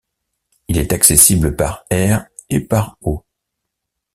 Il est accessible par air et par eau.